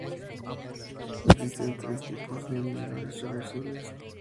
Existen tres tipos de inhibidores reversibles.